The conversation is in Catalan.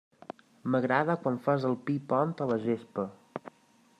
M'agrada quan fas el pi pont a la gespa.